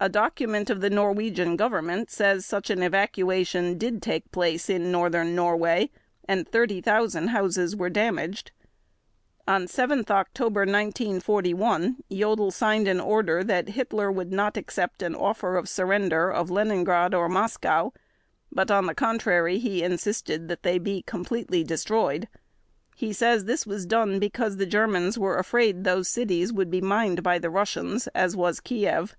A document of the Norwegian Government says such an evacuation did take place in northern Norway and 30,000 houses were damaged. On 7 October 1941, Jodl signed an order that Hitler would not accept an offer of surrender of Leningrad or Moscow, but on the contrary he insisted that they be completely destroyed. He says this was done because the Germans were afraid those cities would be mined by the Russians as was Kiev.